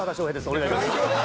お願いいたします。